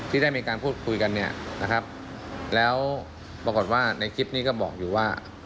ที่ได้มีการพูดคุยกันเนี่ยนะครับแล้วปรากฏว่าในคลิปนี้ก็บอกอยู่ว่า